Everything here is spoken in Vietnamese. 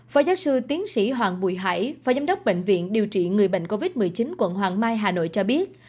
phó giáo sư tiến sĩ hoàng bùi hải phó giám đốc bệnh viện điều trị người bệnh covid một mươi chín quận hoàng mai hà nội cho biết